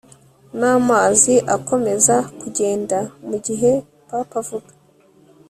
n'amazi akomeza kugenda mugihe papa avuga